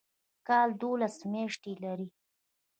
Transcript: کال دوولس میاشتې لري